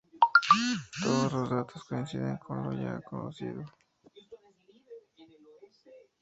Todos los datos coinciden con lo ya conocido.